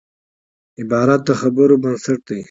عبارت د خبرو بنسټ دئ.